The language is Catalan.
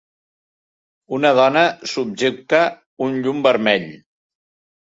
Una dona subjecta un llum vermell.